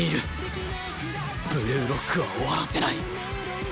ブルーロックは終わらせない